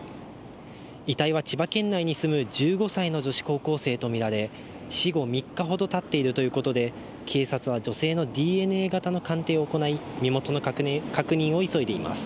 遺体は千葉県内に住む１５歳の女子高校生とみられ死後３日ほどたっているということで、警察は女性のＤＮＡ型の鑑定を行い身元の確認を急いでいます。